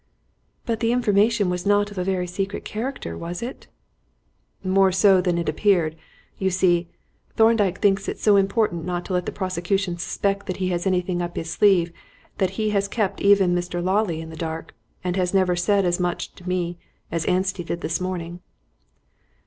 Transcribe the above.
"But the information was not of a very secret character, was it?" "More so than it appeared. You see, Thorndyke thinks it so important not to let the prosecution suspect that he has anything up his sleeve, that he has kept even Mr. Lawley in the dark, and he has never said as much to me as Anstey did this morning."